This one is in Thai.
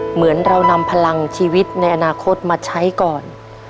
เหมือนเรานำพลังชีวิตในอนาคตมาใช้ก่อน